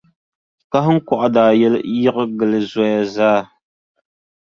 Kahiŋkɔɣu daa yiɣi gili zoya zaa.